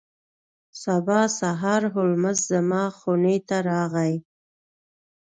سبا سهار هولمز زما خونې ته راغی.